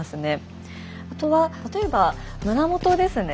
あとは例えば胸元ですね。